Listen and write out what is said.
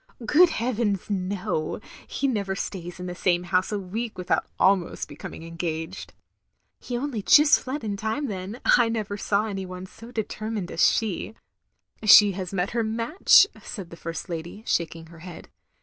'' "Good heavens, no. He never stays in the same house a week without almost becoming engaged. "" He only just fled in time, then. I never saw any one so determined as she. " OF GROSVENOR SQUARE 291 "She has met her match," said the first lady, shaking her head.